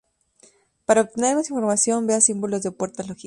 Para obtener más información, vea símbolos de puertas lógicas.